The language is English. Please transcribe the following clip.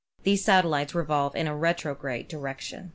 The satellites re volve in a retrograde direction.